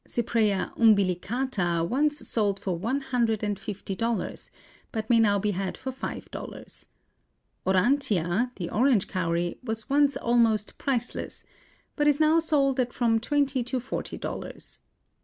Cypraea umbilicata once sold for one hundred and fifty dollars, but may now be had for five dollars. Aurantia, the orange cowry, was once almost priceless, but is now sold at from twenty to forty dollars.